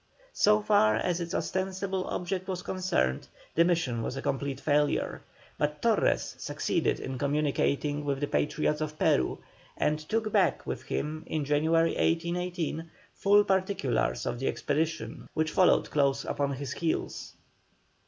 So far as its ostensible object was concerned the mission was a complete failure, but Torres succeeded in communicating with the Patriots of Peru, and took back with him in January, 1818, full particulars of the expedition which followed close upon his heels.